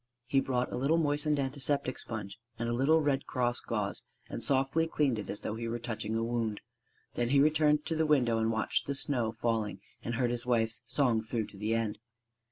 He brought a little moistened antiseptic sponge and a little red cross gauze, and softly cleaned it as though he were touching a wound. Then he returned to the window and watched the snow falling and heard his wife's song through to the end.